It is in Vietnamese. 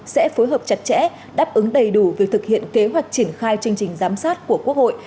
sẽ phối hợp chặt chẽ đáp ứng đầy đủ việc thực hiện kế hoạch triển khai chương trình giám sát của quốc hội